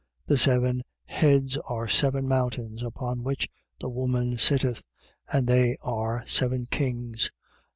The seven heads are seven mountains, upon which the woman sitteth: and they are seven kings.